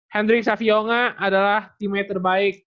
hendrik savionga adalah teammate terbaik